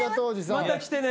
また来てね。